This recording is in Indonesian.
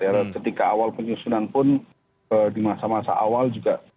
karena ketika awal penyusunan pun di masa masa awal juga